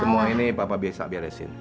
semua ini papa biasa biarin